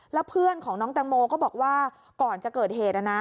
แล้วเพื่อนของน้องแตงโมก็บอกว่าก่อนจะเกิดเหตุ